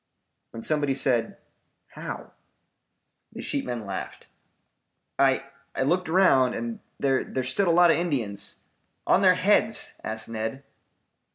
"When somebody said, 'How?'" The sheepmen laughed. "I I looked around, and there there stood a lot of Indians " "On their heads!" asked Ned.